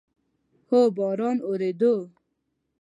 هو، باران اوورېدو